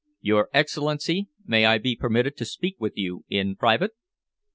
"Your Excellency, may I be permitted to speak with you in private?"